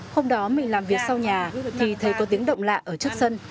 hôm đó mình làm việc sau nhà thì thấy có tiếng động lạ ở trước sân